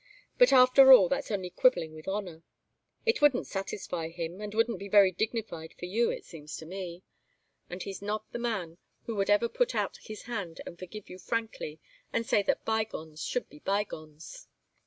But after all, that's only quibbling with honour. It wouldn't satisfy him and wouldn't be very dignified for you, it seems to me. And he's not the man who would ever put out his hand and forgive you frankly and say that by gones should be by gones."